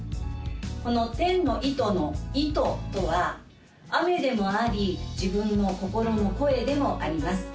この「天の糸」の「糸」とは雨でもあり自分の心の声でもあります